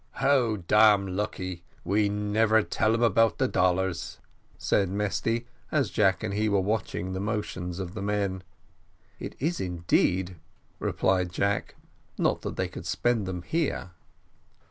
"How damn lucky we never tell dem about the dollars," said Mesty, as Jack and he were watching the motions of the men. "It is, indeed," replied Jack, "not that they could spend them here."